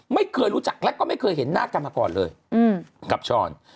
ไม่เคยรู้จักแล้วก็ไม่เคยเห็นหน้ากันมาก่อนเลยกับช้อน